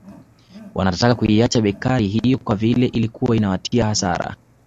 Wanataka kuiacha bekari hiyo kwa vile ilikuwa inawatia hasara